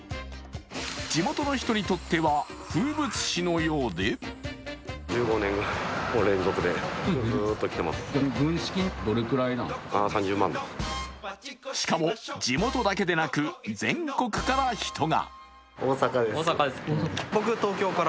地元の人にとっては風物詩のようでしかも地元だけでなく全国から人が。